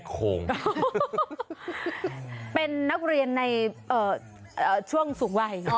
คุณครู